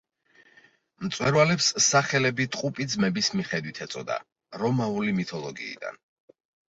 მწვერვალებს სახელები ტყუპი ძმების მიხედვით ეწოდა, რომაული მითოლოგიიდან.